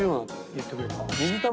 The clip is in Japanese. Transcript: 言ってくれた。